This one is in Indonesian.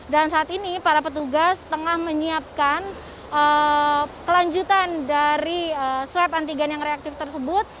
saat ini para petugas tengah menyiapkan kelanjutan dari swab antigen yang reaktif tersebut